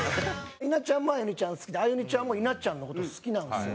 稲ちゃんもアユニちゃん好きでアユニちゃんも稲ちゃんの事好きなんですよ。